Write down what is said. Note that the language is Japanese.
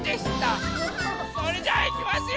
それじゃあいきますよ！